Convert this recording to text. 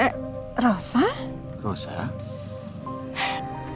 mari kita ke rumah